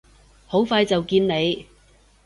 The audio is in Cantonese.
好快就見你！